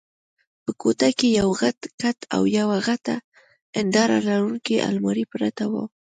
په کوټه کې یو غټ کټ او یوه غټه هنداره لرونکې المارۍ پرته وه.